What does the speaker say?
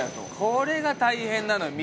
これが大変なのよ